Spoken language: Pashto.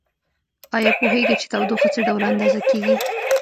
ایا پوهیږئ چې تودوخه څه ډول اندازه کیږي؟